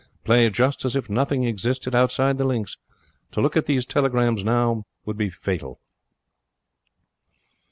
Play just as if nothing existed outside the links. To look at these telegrams now would be fatal.'